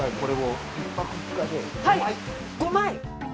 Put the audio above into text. ５枚！